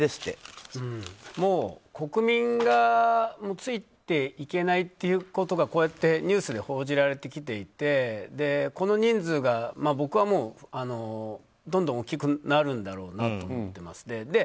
国民がついていけないっていうことがこうやってニュースで報じられてきていてこの人数が僕はどんどん大きくなるんだろうなと思っています。